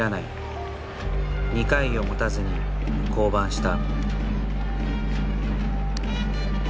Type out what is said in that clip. ２回をもたずに降板した。